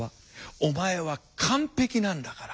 「お前は完璧なんだから」